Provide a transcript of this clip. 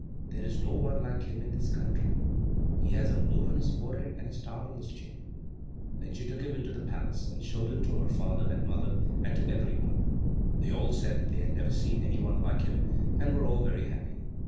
There is no one like him in this country. He has a moon on his forehead and a star on his chin." Then she took him into the palace, and showed him to her father and mother and to every one. They all said they had never seen any one like him, and were all very happy.